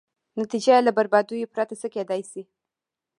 نتېجه یې له بربادیو پرته څه کېدای شي.